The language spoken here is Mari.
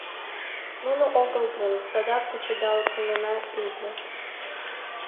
— Нуно огыл гын, садак кучедал колена ыле.